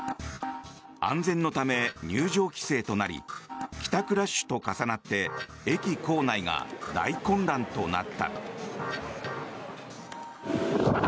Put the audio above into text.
安全のため入場規制となり帰宅ラッシュと重なって駅構内が大混乱となった。